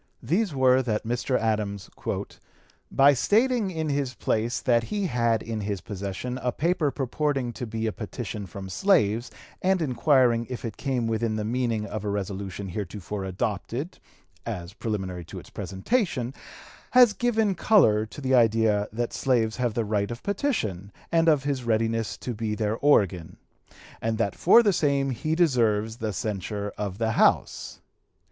These were, that Mr. Adams "by stating in his place that he had in his possession a paper purporting to be a petition from slaves, and inquiring if it came within the meaning of a resolution heretofore adopted (as preliminary to its presentation), has given color to the idea that slaves have the right of petition and of his readiness to be their organ; and that for the same he deserves the censure of the House.